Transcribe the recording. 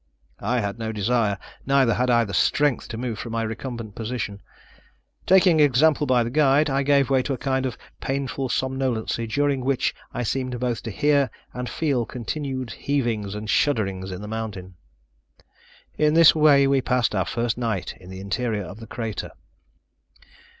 I had no desire, neither had I the strength, to move from my recumbent position. Taking example by the guide, I gave way to a kind of painful somnolency, during which I seemed both to hear and feel continued heavings and shudderings in the mountain. In this way we passed our first night in the interior of a crater.